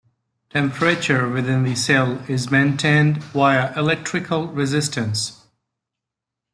Temperature within the cell is maintained via electrical resistance.